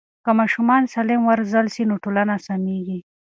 که ماشومان سالم وروزل سي نو ټولنه سمیږي.